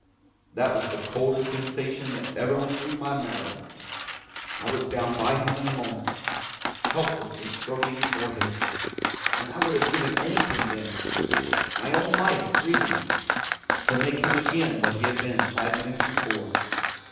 That was the coldest sensation that ever went through my marrow. I was down by him in a moment, helplessly stroking his forehead; and I would have given anything then my own life freely to make him again what he had been five minutes before.